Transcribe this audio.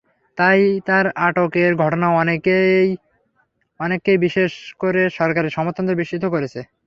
তাই তাঁর আটকের ঘটনা অনেককেই, বিশেষ করে সরকারের সমর্থকদের বিস্মিত করেছে।